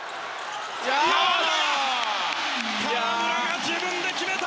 河村が自分で決めた！